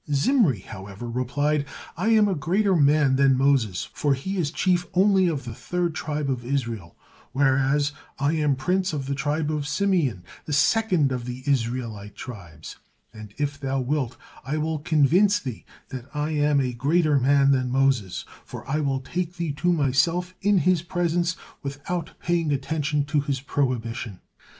Zimri, however, replied: "I am a greater man the Moses, for he is chief only of the third tribe of Israel, whereas I am prince of the tribe of Simeon, the second of the Israelite tribes, and if thou wilt, I will convince thee that I am a greater man than Moses, for I will take thee to myself in his presence, without paying attention to his prohibition."